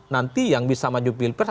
nanti yang bisa maju pilpres